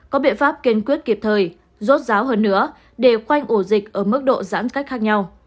có biện pháp kiên quyết kịp thời rốt ráo hơn nữa để khoanh ổ dịch ở mức độ giãn cách khác nhau